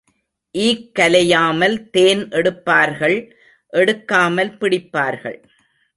ஈக் கலையாமல் தேன் எடுப்பார்கள் எடுக்காமல் பிடிப்பார்கள்.